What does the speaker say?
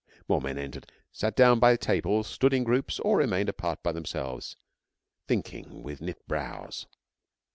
More men entered, sat down by tables, stood in groups, or remained apart by themselves, thinking with knit brows.